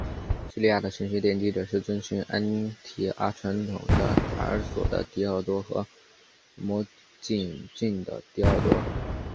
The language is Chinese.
叙利亚的神学奠基者是遵循安提阿传统的塔尔索的狄奥多和摩普绥的狄奥多。